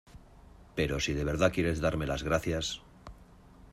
pero si de verdad quieres darme las gracias